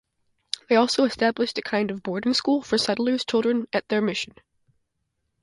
They also established a kind of boarding school for settlers' children at their mission.